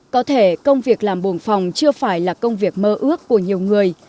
có thể công việc làm buồng phòng chưa phải là công việc mơ ước của nhiều người